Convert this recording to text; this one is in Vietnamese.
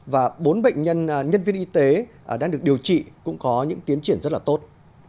và bốn bệnh nhân nhân viên y tế đang được điều trị cũng có những tiến triển rất là tốt